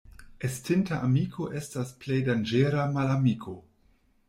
Estinta amiko estas plej danĝera malamiko.